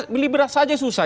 beli beras saja susah